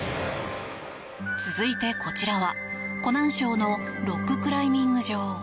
続いて、こちらは湖南省のロッククライミング場。